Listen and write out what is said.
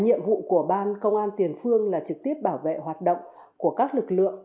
nhiệm vụ của ban công an tiền phương là trực tiếp bảo vệ hoạt động của các lực lượng